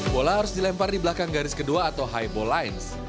bola harus dilempar di belakang garis kedua atau highball lines